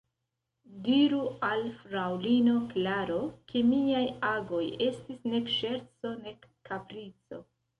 Diru al fraŭlino Klaro, ke miaj agoj estis nek ŝerco, nek kaprico.